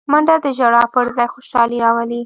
منډه د ژړا پر ځای خوشالي راولي